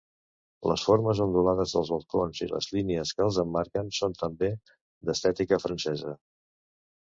Les formes ondulades dels balcons i les línies que els emmarquen són també d'estètica francesa.